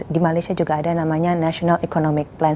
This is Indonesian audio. di malaysia juga ada namanya national economic plan